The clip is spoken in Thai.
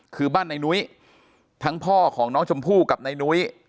คือบ้านในนุ้ยทั้งพ่อของน้องชมพู่กับนายนุ้ย